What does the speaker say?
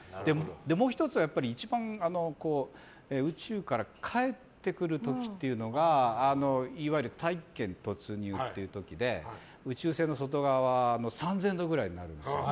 もう１つは、一番宇宙から帰ってくる時がいわゆる大気圏突入という時で宇宙船の外側が３０００度くらいになるんですよ。